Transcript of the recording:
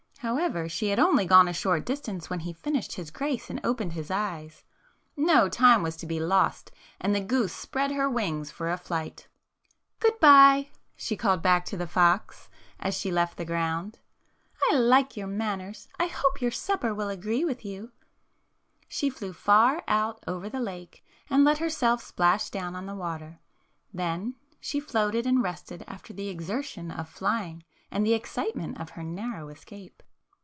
However, she had only gone a short distance when he finished his grace and opened his eyes. No time was to be lost, and the goose spread her wings for a flight. "Good bye!" she called back to the fox 32 Fairy Tale Foxes as she left the ground. " I like your manners. I hope your supper will agree with you." She flew far out over the lake and let her self splash down on the water. Then she floated and rested after the exertion of flying and the excitement of her narrow escape.